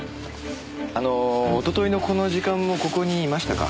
あのおとといのこの時間もここにいましたか？